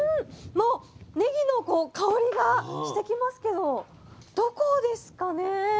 もうねぎの香りがしてきますけどどこですかね？